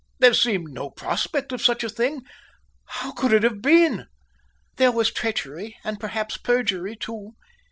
There seemed no prospect of such a thing. How could it have been?" "There was treachery, and perhaps perjury, too.